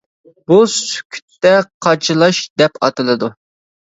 بۇ سۈكۈتتە قاچىلاش دەپ ئاتىلىدۇ.